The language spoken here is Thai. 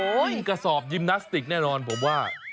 วิ่งกระสอบยิมนาสติกแน่นอนผมว่า